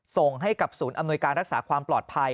ส่งให้กับศูนย์อำนวยการรักษาความปลอดภัย